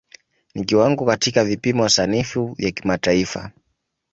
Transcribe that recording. Ni kiwango katika vipimo sanifu vya kimataifa.